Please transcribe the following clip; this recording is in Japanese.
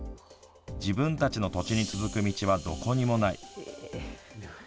自分たちの土地に続く道はどこにもない。